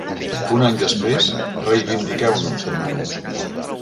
Un any després, reivindiqueu-nos, demana.